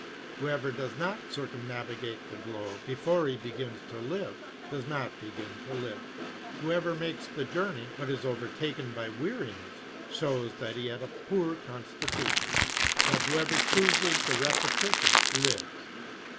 Whoever does not circumnavigate the globe before he begins to live, does not begin to live. Whoever makes the journey, but is overtaken by weariness, shows that he had a poor constitution. But whoever chooses the repetition, lives.